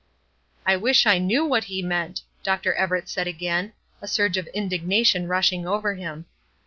"I wish I knew what he meant!" Dr. Everett said again, a surge of indignation rushing over him.